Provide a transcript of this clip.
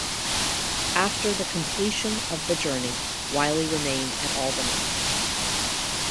After the completion of the journey, Wylie remained at Albany.